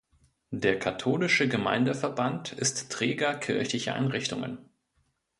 Der Katholische Gemeindeverband ist Träger kirchlicher Einrichtungen.